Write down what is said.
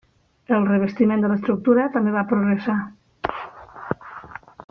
El revestiment de l'estructura també va progressar.